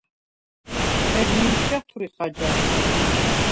ხედ ნინს ჯათვრიხ აჯაღ?